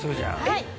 はい。